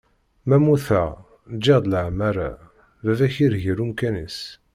Ma mmuteγ ǧiγ-d leɛmara, baba-k irgel umkan-is.